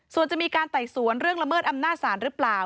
ส่วนจะมีการไต่สวนเรื่องละเมิดอำนาจศาลหรือเปล่า